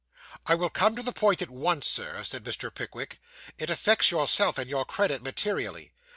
'I will come to the point at once, sir,' said Mr. Pickwick; 'it affects yourself and your credit materially.